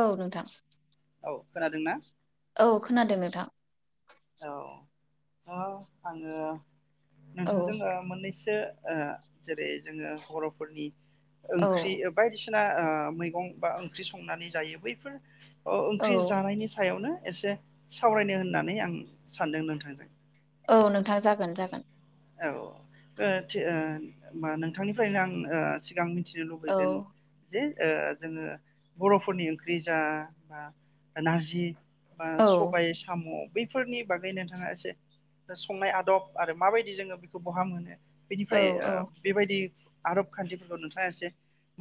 औ नोंथां। खोनादों ना? औ खोनादों नोंथां। औ -औ आङो औ नोंथांजों ओ मोननै जेरै जोङो बर'फोरनि औ ओंख्रि बायदिसिना बायसिना मैगं बा ओंख्रि संनानै जायो बैफोर औ ओंख्रि ओ जानायनि सायावनो एसे सावरायनो होननानै आं सानदों नोंथांजों औ नोंथाङा जागोन -जागोन औ ओ -ओ होमबा नोंथांनिफ्रायनो आं ओ सिगां मिथिनो औ लुबैगोन जे जोङो बर'फोरनि ओंख्रि जा बा नारजि बा औ सबाय साम' बैफोरनि बागै नोंथाङा एसे संनाय आदब आरो माबायदि जोङो बेखौ बहा मोनो औ बेनिफ्राय औ बेबायदि आरब खान्थिफोरखौ नोंथाङा एसे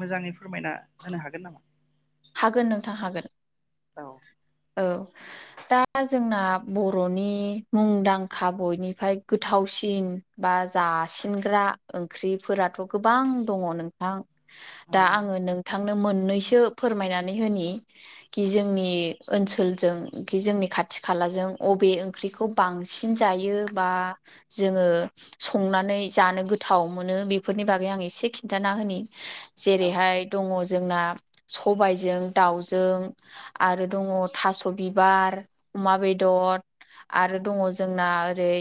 मोजाङै फोरमायना होनो हागोन नामा हागोन नोंथां हागोन औ औ दा जोंना बर'नि मुंदांखा बयनिफ्राय गोथावसिन बा जासिनग्रा ओंख्रिफोराथ' गोबां दङ नोंथां औ दा आङो नोंथांनो मोननैसो फोरमायनानै होनि कि जोंनि ओनसोलजों खि जोंनि खाथि खालाजों अबे ओंख्रिखौ बांसिन जायो बा जोङो संनानै जानो गोथाव मोनो बेफोरनि बागै आं एसे खिन्थाना होनि जेरैहाय दङ जोंना सबायजों दाउजों आरो दङ थास' बिबार अमा बेदर आरो दङ जोंना ओरै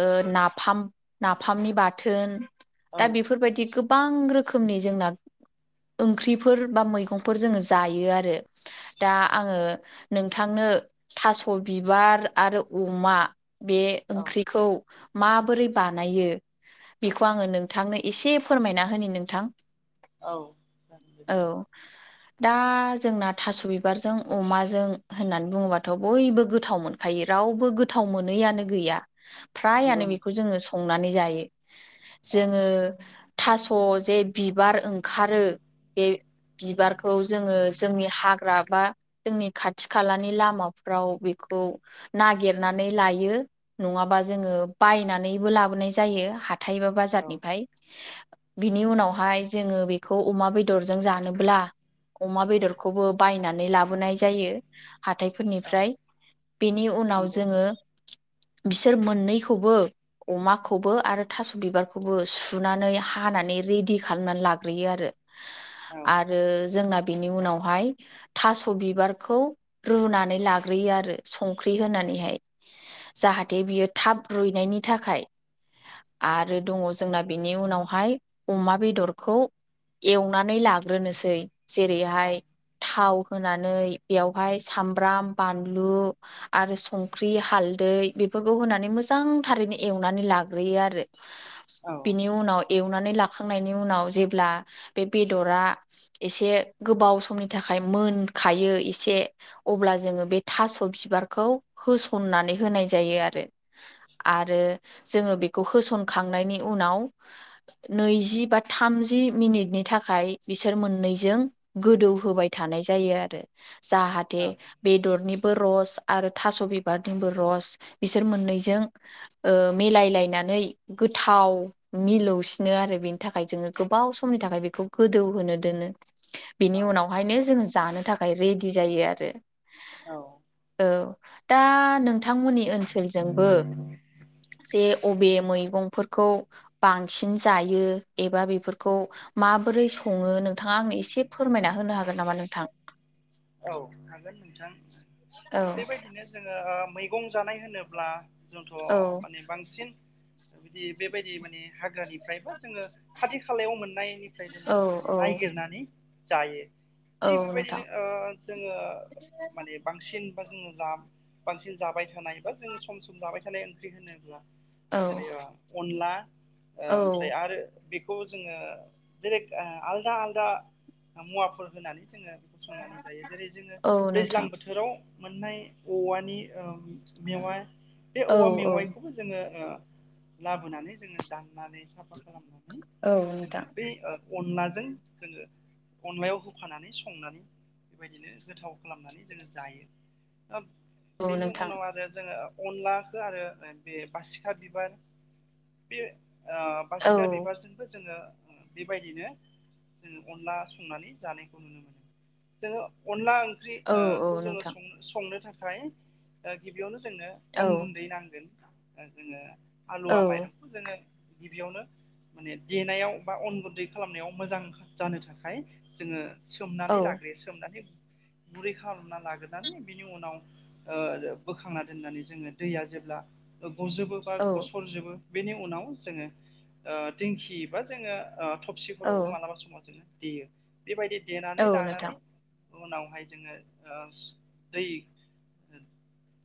ओ नाफाम -नाफामनि बाथोन दा औ बेफोरबायाददि गो गोबां रोखोमनि जोंना ओंख्रिफोर बा मैगंफोर जोङो जायो आरो दा आङो नोंथांनो थास' बिबार आरो अमा बे औ ओंख्रिखौ माबोरै बानायो बेखौ आङो नोंथांनो एसे फोरमायना होनि नोंथां औ जागोन औ दे दा जोंना थास'बि बिबारजों अमाजों होननानै बुङोबाथ' बयबो गोथाव मोनखायो रावबो गोथाव मोनैआनो गैया नंगौ फ्रायानो बेखौ नोंथां जोङो संनानै जायो औ जोङो थास' जे बिबार ओंखारो बे बिबारखौ जोङो जोंनि हाग्रा बा जोंनि खाथि -खालानि लामाफ्राव बेखौ नागिरनानै लायो नङाबा जोङो बायनानैबो लाबोनाय जायो हाथाइ बा औ बाजारनिफ्राय बिनि उनावहाय जोङो बेखौ अमा बेदरजों जानोब्ला अमा बेदरखौबो बायनानै नै लाबोनाय जायो औ हाथाइफोरनिफ्राय बेनि उनाव नंगौ जोङो बिसोर मोननैखौबो अमाखौबो आरो थास' बिबारखौबो सुनानै हानानै नानै रिदि खालामनानै लाग्रोयो आरो औ -आरो जोंना बिनि उनावहाय थास' बिबारखौ रुनानै लाग्रोयो आरो संख्रि होनानै हाय जा जाहाथे बियो थाब रुइनायनि थाखाय आरो दङ औ जोंना बेनि उनावहाय अमा बेदरखौ एवनानै लाग्रोनोसै औ जेरैहाय थाव होनानै बेयावहाय सामब्राम बानलु आरो संख्रि हालदै बे फोरखौ होनानै मोजां थारैनो एवनानै लाग्रोयो आरो बिनि उनाव एव नानै लाखांनायनि उनाव जेब्ला बे बेदरा एसे गोबाव समनि थाखाय मोन खायो एसे अब्ला जोङो बे थास बिबारखौ होसननानै होनाय जायो आरो आरो आरो जोङो बेखौ होसनखांनायनि उनाव नैजि बा थामजि जि मिनिटनि थाखाय बिसोर मोननैजों गोदौ होबाय थानाय जायो आरो औ जाहाथे बेदरनि बो रस आरो थास' बिबारनिबो रस बिसोर मोननैजों ओ मिलायलायना नै गोथाव मिलौसिनो आरो बेनि थाखाय जोङो गोबाव समनि थाखाय बेखौ गोदौ होनो नो दोनो बेनि उनावहायनो जों जानो थाखाय रेडि जायो आरो औ औ दा नों थांमोननि ओनसोलजोंबो जे अबे मैगंफोरखौ बांसिन जायो एबा बेफोरखौ माबोरै सं सङो नोंथाङा आंनो एसे फोरमायना होनो हागोन नामा नोंथां औ हागोन नोंथां औ बेबायदिनो जोङो ओ मैगं जानाय होनोब्ला जोंथ' औ माने बांसिन बिदि बेबायदि माने हाग्रानि फ्रायबा जोङो खाथि खालायाव मोननायनिफ्राय औ जोङो माने औ नायागिरनानै जायो। औ थिग नोंथां बेबायदिनो ओ जोङो माने बांसिन बा जोङो दा बांसिन जाबाय थानाय बा जोङो सम सम जाबाय थानाय ओंख्रि होनोब्ला औ जेरै अ अनला औ ओमफ्राय आरो बेखौ जोङो बेरेक आलदा आलदा मुवाफोर होनानै जोंङो संनानै जायो जेरै जोङो औ दैज्लां नोंथां बोथोराव मोननाय औवानि ओम मेवा बे औ औवा औ मेवाइखौबो जोङो ओ लाबोनानै जोङो दाम नानै साफा खालामनानै औ जोङो नोंथां बे ओ अनलाजों जोंङो अनलायाव होफानानै संनानै बेबायदिनो गोथाव खालामनानै जोङो जायो ओब औ बेनि नोंथां उनाव आरो जोंङो अनलाखो आरो बे बासिखा बिबार बे ओ औ बासिखा बिबारजोंबो जोङो बेबायदिनो जोंङो अनला संनानै जानायखौ नुनो मोनो। जोङो अनला ओंख्रि औ ओ खौ औ जोङो नोंथां संनो थाखाय ओ गिबियावनो जोंनो औ अन गुन्दै नांगोन ओ जोङो औ आलुवा माइरंखौ जोङो। गिबियावनो माने देनायाव बा अन गुन्दै खालामनायाव मोजां जानो थाखाय जोङो। औ सोमनानै लाग्रोयो सोमनानै गुरै खालामना लाग्रोनानै बिनि उनाव ओ बोखांना दोननानै जोङो दैया जेब्ला गजोबो बा औ गसरजोबो बेनि उनाव जोङो ओ दिंखि बा जोङो। ओ थबसिफोरावबो औ मालाबा समाव जोङो देयो बेबायदि देनानै औ नोंथां लानानै उनावहाय जोङो आ दै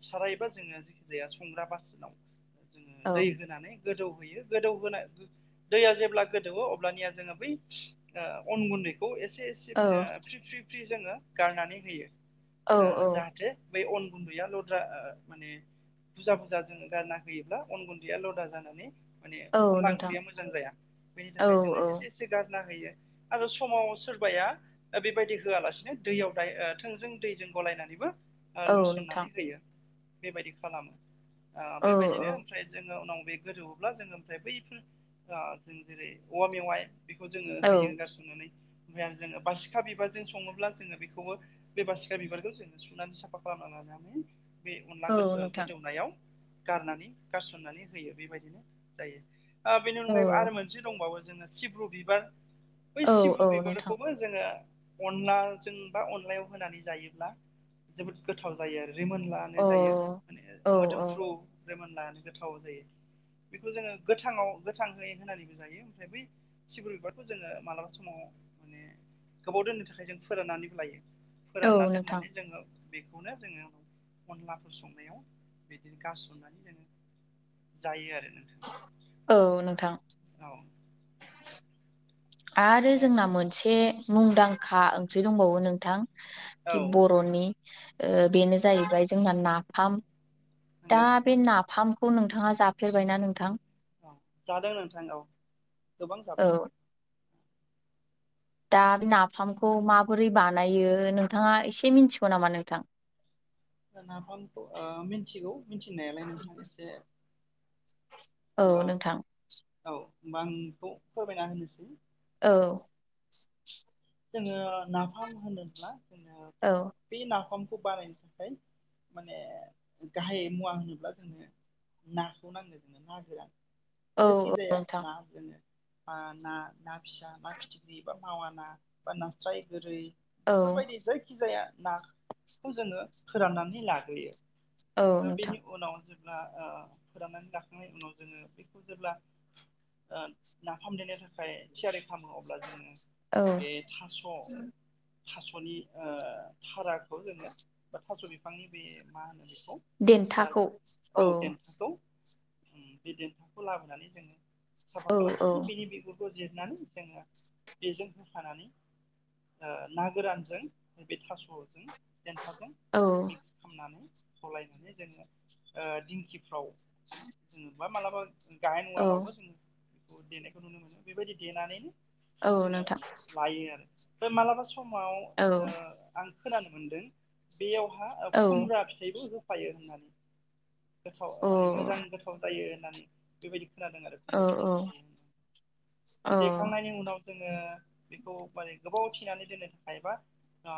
सारायबा जोङो जाया संग्रा बासनाव जोङो औ दै होनानै गोदौ होयो गोदौ होनाय दैया जेब्ला गोदौवो अब्लानिया जोङो बै ओ अन गुन्दैखौ एसे से औ या फ्रि फ्रि जोंओ गारनानै होयो औ आ जाहाथे बे अन गुन्दैया लद्रा आ माने बुजा बुजा जों गारना होयोब्ला अन गुन्दैया लदा जानानै माने औ अनला नोंथां ओंख्रिया मोजां जाया बेनि औ थाखाय जोङो औ एसे एसे गारना होयो। आरो समाव सोरबाया ओ बेबायदि होआलासिनो दैयाव दायो थोंजों दैजों गलायनानैबो ओ औ नोंथां लुसननानै होयो बेबायदि खालामो आ औ औ बेबायदिनो ओमफ्राय जोङो उनाव बे गोजौब्ला जोंङो ओमफ्राय बैफोर ओ जों जेरै औवा मेवाइ बेखौ जोङो औ होयो गारस'नानै ओमफ्राय आरो जोङो बारसिखा बिबार जों सङोब्ला जोङो बेखौबो बे बासिखा बिबारखौ जोङो सुनानै साफा खालामना लानानै बे अनला औ गो नोंथां गोदौनायाव गारनानै गारसननानै होयो बेबायदिनो जायो ओ बेनि अनगायैबो औ आरो मोनसे दंबावो जोङो सिब्रु बिबार बै औ औ सिब्रु नोंथां बिबारखौबो जोङो अनलाजों बा अनलायाव होनानै जायोब्ला जोबोद गोथाव जायो आरो रिमोन औ लानो जायो माने औ औ मोदोमफ्रु रिमोनला गोथाव जायो। बेखौ जोङो गोथाङाव गोथाङै होनानैबो जायो ओमफ्राय बै सिब्रु बिबारखौ जोङो मालाबा समाव माने गोबाव दोननो थाखाय जों फोराननानैबो लायो। औ फोरानना नोंथां दोननानै जोङो बेखौनो जोङो अनलाफोर संनायाव बिदिनो गारस'नानै जोङो जायो आरो। नोंथां औ औ नोंथां। आरो ओमफ्राय जोंना मोनसे मुंदांखा ओंख्रि दंबावो नोंथां औ बर'नि ओ बेनो जाहैबाय जोंना नाफाम नंगौ दा बे नाफामखौ नोंथाङा जाफेरबायना नोंथां? अ जादों नोंथां औ गोबां औ जाबाय। दा नाफामखौ माबोरै बानायो नोंथाङा एसे मिनथिगौ नामा नोंथां? नाफामखौ ओ मिथिगौ मिथिनायालाय नोंथां एसे औ होमबा नोंथां। औ होमबा आं बेखौ फोरमायना होनोसै औ जोङो नाफाम होनोब्ला जोङो औ बे नाफामखौ बानायनो थाखाय माने गाहाय मुवा होनोब्ला जोंनो नाखौ नांगौ जोंनो ना गोरान औ जायखि जाया नोंथां ना जोंङो ओ ना, ना फिसा, ना फिथिख्रि बा मावा ना बा नास्राय गोरै औ बेफोरबायदि जायखि जाया नाखौ जोङो फोराननानै लाग्रोयो। औ ओ नोंथां बेनि उनाव जों आ ओ फोराननानै लाखांनायनि उनाव जोङो बेखौ जेब्ला ओ नाफाम देनो थाखाय थियारि खालामो अब्ला जोङो औ बे थास' थास'नि थाराखौ जोङो बा थास' बिफांनि बे मा होनो बे देनथाखौ औ ओ बे देन्थाखौ लाबोनानै जों साफा औ औ खालामनानै बिनि बिगुर खौ जिरनानै जोङो बेजों होखानानै ना गोरानजों नैबे थास'जों देन्थाजों औ मिक्स खालामनानै गलायनानै जोङो दिंखिफ्राव जोङो [inaudible] बा मालाबा गाहेन औ उवालावबो जोङो बेखौ देनायखौ नुनो मोनो बेबायदि देनानैनो। औ जोङो नोंथां लायो आरो बे मालाबा समाव ओ औ आं खोनानो मोनदों बेयावहा आ औ खुमब्रा फिथाइबो होफायो होननानै। गोथाव औ माने मोजां गोथाव जायो होननानै बेबायदि खोनादों आरो औ खुमब्रा फिथाइ होफायो। बे देखांनायनि उनाव जोङो बेखौ माने गोबाव थिनानै दोननो थाखायबा आ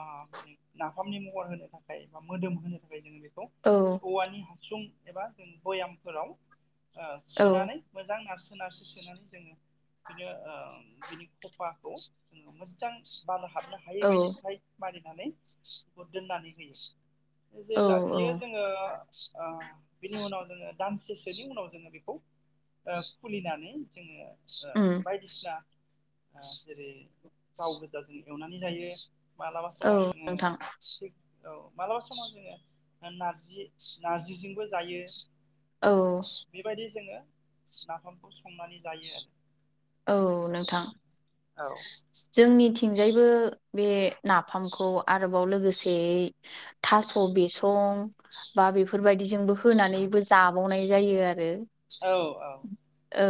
नाफामनि महर होनो थाखाय बा मोदोम होनो थाखाय जोङो बे बे औ औवानि हासुं एबा जों बयामफोराव ओ औ सोनानै मोजां नारसो नारसो सोनानै जोङो बिनो बिनि खफा बेखौ जोङो मोजां बार हाबनो हायै औ बायदि थायेद मारि नानै बेखौ दोननानै होयो। जेब्ला बियो औ जोङो ओ बिनि उनाव जोङो दान सेसोनि उनाव जोङो बेखौ खुलिनानै जोङो ओ उम बायदिसिना ओ जेरै थाव गोजाजों एवनानै जायो। मालाबा औ समाव जोङो नोंथां औ मालाबा समाव जोङो नारजि नारजिजोंबो जायो। औ ओ बेबायदि जोङो नाफामखौ संनानै जायो आरो। औ नोंथां जोंनि थिंजायबो बे नाफामखौ आरोबाव लोगोसेयै थास' बेस' बा बेफोरबायदिजोंबो होनानैबो जाबावनाय जायो आरो औ औ औ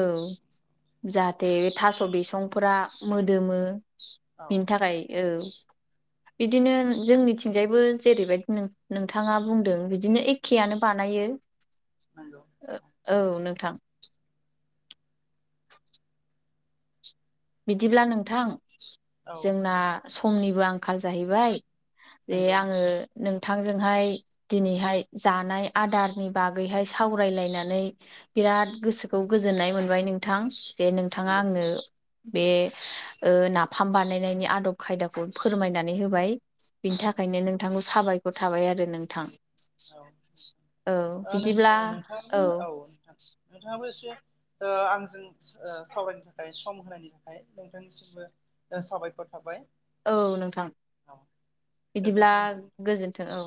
जाहाथे थास' बिसंफोरा मोदोमो औ बिनि थाखाय औ [inaudible] बिदिनो जोंनिथिंजायबो जेरैबायदि नोंथाङा बुंदों बिदिनो एखेयानो बानायो नंगौ औ नोंथां बिदिब्ला नोंथां औ जोंना समनिबो आंखाल जाहैबाय जे नंगौ आङो नोंथांजोंहाय दिनैहाय जानाय आदारनि बागैहाय सावरायलायनानै बिराद गोसोखौ गोजोननाय मोनबाय नोंथां जे नोंथाङा नंगौ आंनो बे नाफाम बानायनायनि आदब खायदाखौ फोरमायनानै होबाय बिनि औ थाखायनो नोंथांखौ साबायखर थाबाय आरो नोंथां औ थि बिदिब्ला नोंथाङाबो औ नोंथां नोंथाङाबो एसे आं जों सावरायनो थाखाय सम होनायनि थाखाय नोंथांनिसिमबो साबायखर थाबाय औ नोंथां औ बिदिब्ला गोजोन्थों होनबा नोंथां औ गोजोन्थों औ